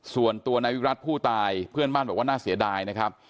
ส่วนตัวนายวิรัติผู้ตายเพื่อนบ้านบอกว่าน่าเสียดายนะครับ